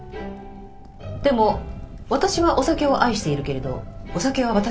でも私はお酒を愛しているけれどお酒は私を愛してはくれない。